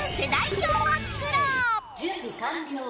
「準備完了」